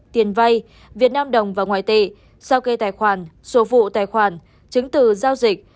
tiền vay việt nam đồng và ngoại tệ sao kê tài khoản số vụ tài khoản chứng từ giao dịch